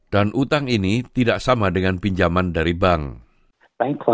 dan utang ini tidak sama dengan pinjaman dari bank